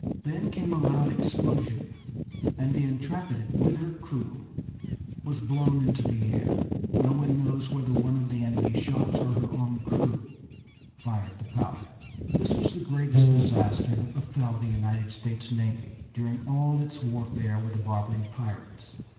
Then came a loud explosion, and the Intrepid, with her crew, was blown into the air. No one knows whether one of the enemy's shots or her own crew fired the powder. This was the greatest disaster that befell the United States Navy during all its warfare with the Barbary pirates.